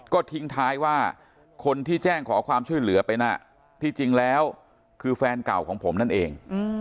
ก็ทิ้งท้ายว่าคนที่แจ้งขอความช่วยเหลือไปนะที่จริงแล้วคือแฟนเก่าของผมนั่นเอง